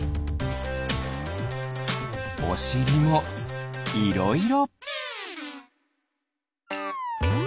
おしりもいろいろ。